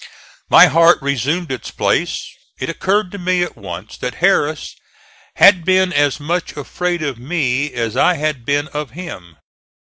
My heart resumed its place. It occurred to me at once that Harris had been as much afraid of me as I had been of him.